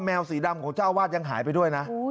วสีดำของเจ้าอาวาสยังหายไปด้วยนะ